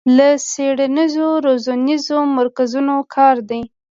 له څېړنیزو روزنیزو مرکزونو کار دی